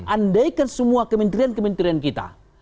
andaikan semua kementerian kementerian kita